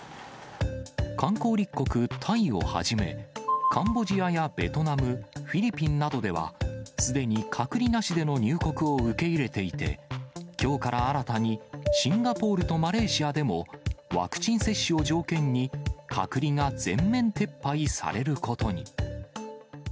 観光立国、タイをはじめ、カンボジアやベトナム、フィリピンなどでは、すでに隔離なしでの入国を受け入れていて、きょうから新たにシンガポールとマレーシアでも、ワクチン接種を条件に隔離が全面撤廃されることに。